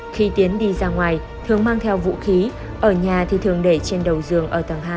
khi tiến đi ra ngoài thường mang theo vũ khí ở nhà thì thường để trên đầu giường ở tầng hai